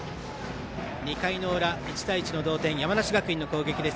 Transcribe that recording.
２回の裏、１対１の同点山梨学院の攻撃です。